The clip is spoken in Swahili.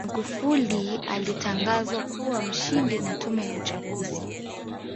magufuli alitangazwa kuwa mshindi na tume ya uchaguzi